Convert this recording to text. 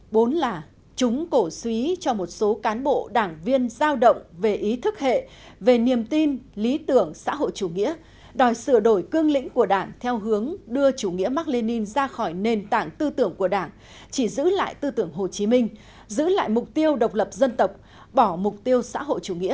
bốn là chúng cổ suý cho một số cán bộ đảng viên giao động về ý thức hệ về niềm tin lý tưởng xã hội chủ nghĩa đòi sửa đổi cương lĩnh của đảng theo hướng đưa chủ nghĩa mark lenin ra khỏi nền tảng tư tưởng của đảng chỉ giữ lại tư tưởng hồ chí minh giữ lại mục tiêu độc lập dân tộc bỏ mục tiêu xã hội chủ nghĩa